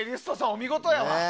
お見事やわ。